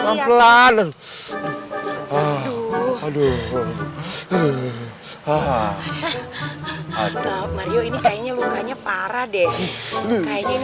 ini kayaknya lukanya parah deh kayaknya harus diamputasi